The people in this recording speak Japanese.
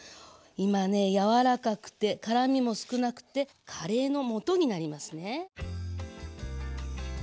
今ね柔らかくて辛みも少なくてカレーのもとになりますね。